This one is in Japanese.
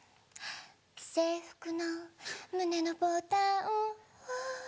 制服の胸のボタンを